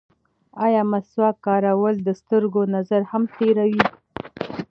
ایا مسواک کارول د سترګو نظر هم تېروي؟